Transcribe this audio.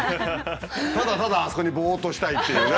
ただただあそこにボッとしたいっていうね。